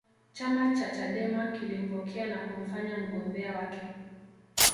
chama cha chadema kilimpokea na kumfanya mgombea wake